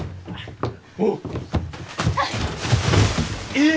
おっ